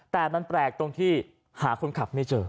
แต่มันแปลกตรงที่หาคนขับไม่เจอ